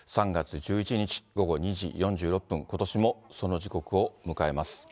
３月１１日午後２時４６分、ことしもその時刻を迎えます。